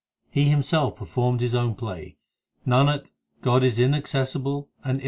He Himself performed His own play ; Nanak, God is inaccessible and illimitable.